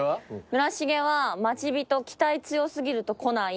村重は待ち人「期待強過ぎると来ない」